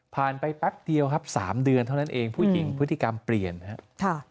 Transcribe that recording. ไปแป๊บเดียวครับ๓เดือนเท่านั้นเองผู้หญิงพฤติกรรมเปลี่ยนนะครับ